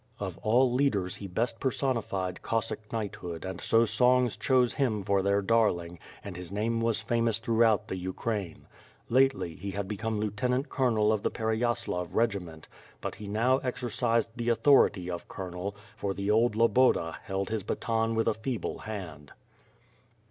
Of all leaders he best personified Cossack knight WITH FIRE AND SWORD. ^g hood and so songs chose him for their darhng and his name was famous throughout the Ukraine. Lately he had become lieutenant colonel of the Pereyaslav regiment, but he now exercised the authority of colonel, for the old Loboda held his baton with a feeble hand.